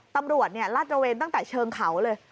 ตำรวจลาดระเวนตั้งแต่เชิงเขาเลย